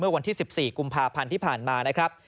วันที่๑๔กุมภาพันธ์ที่ผ่านมานะครับ